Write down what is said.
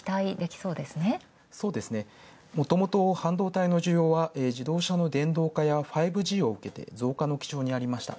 そうですね、もともと半導体の需要は、自動車の電動化や５Ｇを受け増加の基調にありました。